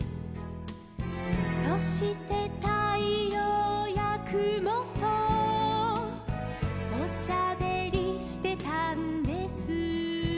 「そしてたいようやくもとおしゃべりしてたんです」